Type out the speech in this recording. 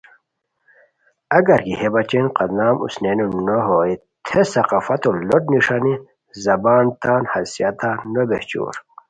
اگر کی ہے بچین قدم اوسنئینو نو ہوئے تھے ثقافتو لوٹ نݰانی زبان تان حیثیتہ نو بہچور